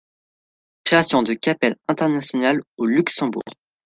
Création de Capelle International au Luxembourg.